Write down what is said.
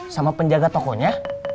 sama penjaga tokonya